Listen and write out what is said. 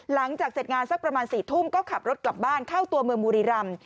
หลังจากเสร็จงานสักประมาณ๔ทุ่มก็ขับรถกลับบ้านเข้าตัวเมืองบุรีรำ